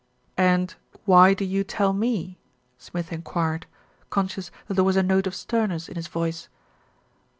"And why do you tell me?" Smith enquired, con scious that there was a note of sternness in his voice.